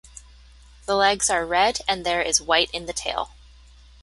The legs are red, and there is white in the tail.